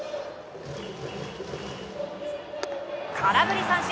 空振り三振！